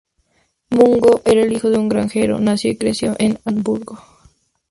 Mungo era el hijo de un granjero, nació y creció en Edimburgo.